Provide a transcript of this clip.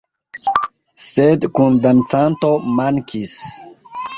Sed kundancanto mankis.